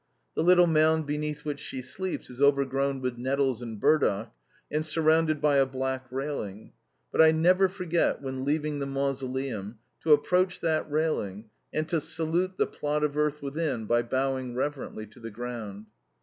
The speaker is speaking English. The little mound beneath which she sleeps is overgrown with nettles and burdock, and surrounded by a black railing, but I never forget, when leaving the mausoleum, to approach that railing, and to salute the plot of earth within by bowing reverently to the ground.